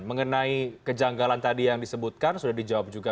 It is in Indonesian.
mengenai kejanggalan tadi yang disebutkan sudah dijawab juga